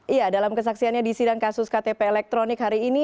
iya dalam kesaksiannya di sidang kasus ktp elektronik hari ini